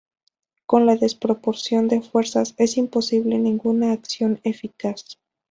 Con la desproporción de fuerzas, es imposible ninguna acción eficaz.